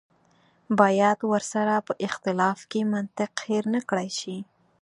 باید ورسره په اختلاف کې منطق هېر نه کړای شي.